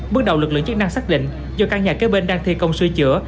bước đầu lực lượng chức năng xác định do căn nhà kế bên đang thi công sửa chữa